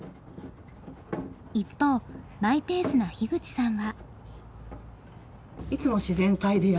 一方マイペースな口さんは。